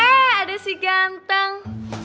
eh ada si ganteng